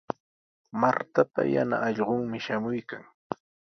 Martapa yana allqunmi shamuykan.